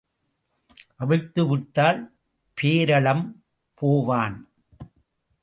அவிழ்த்து விட்டால் பேரளம் போவான்.